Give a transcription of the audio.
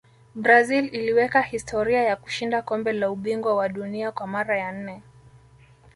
brazil iliweka historia ya kushinda kombe la ubingwa wa dunia kwa mara ya nne